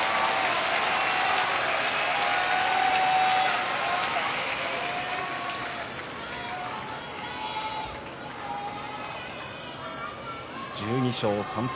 拍手１２勝３敗